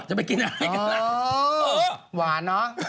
จะไปกินอะไรกันล่ะ